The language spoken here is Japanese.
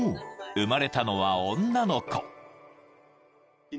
生まれたのは女の子］